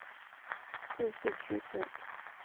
致仕去世。